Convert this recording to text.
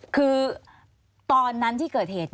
คือตอนนั้นที่เกิดเหตุ